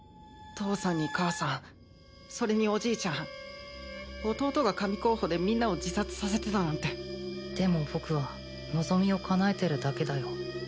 父さんに母さんそれにおじいちゃん弟が神候補でみんなを自殺させてたなんてでも僕は望みをかなえてるだけだよ